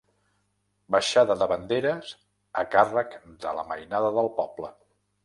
Baixada de banderes a càrrec de la mainada del poble.